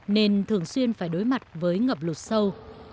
nên thường xuyên phải đối mặt với ngập lụt sâu